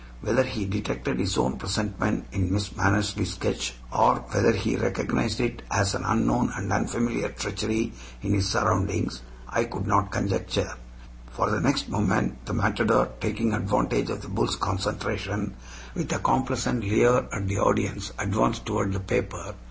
Whether he detected his own presentment in Miss Mannersley's sketch, or whether he recognized it as an unknown and unfamiliar treachery in his surroundings, I could not conjecture; for the next moment the matador, taking advantage of the bull's concentration, with a complacent leer at the audience, advanced toward the paper.